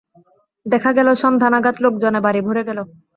দেখা গেল, সন্ধ্যা নাগাদ লোকজনে বাড়ি ভরে গেল।